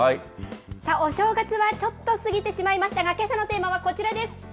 さあ、お正月はちょっと過ぎてしまいましたが、けさのテーマはこちらです。